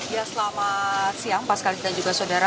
ya selama siang pak sekali dan juga saudara